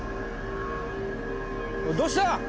おいどうした？